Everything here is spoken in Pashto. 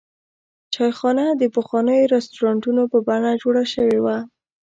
چایخانه د پخوانیو رسټورانټونو په بڼه جوړه شوې وه.